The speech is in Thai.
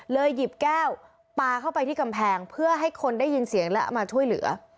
หยิบแก้วปลาเข้าไปที่กำแพงเพื่อให้คนได้ยินเสียงและมาช่วยเหลือ